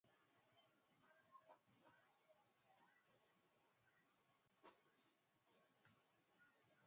Suala la upungufu wa askari lilikua jambo ambalo linatupa changamoto